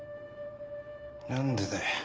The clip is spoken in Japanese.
何でだよ。